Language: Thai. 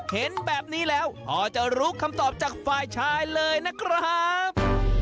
เห็นแบบนี้แล้วก็จะรู้คำตอบจากฝ่ายชายเลยนะครับ